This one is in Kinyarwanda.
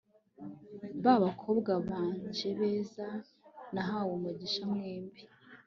bakobwa banje beza, nahawe umugisha mwembi ..